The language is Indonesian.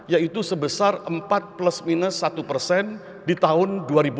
yaitu sebesar empat plus minus satu persen di tahun dua ribu dua puluh